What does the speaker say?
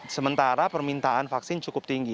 sementara permintaan vaksin cukup tinggi